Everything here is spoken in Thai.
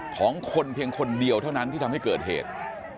ของคนเพียงคนเดียวเท่านั้นที่ทำให้เกิดเหตุ